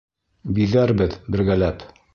Биҙәрбеҙ бергәләп.